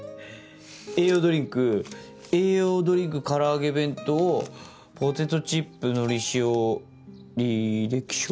栄養ドリンク栄養ドリンク唐揚げ弁当ポテトチップのり塩履歴書？